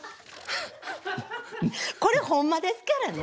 これほんまですからね。